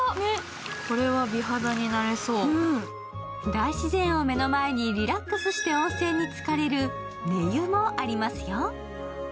大自然を目の前にリラックスして温泉につかれる寝湯もありますよ。